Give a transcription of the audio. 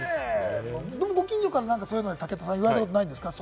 ご近所から何か、そういうの武田さん言われたことないんですか？